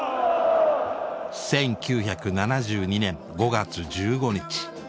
１９７２年５月１５日。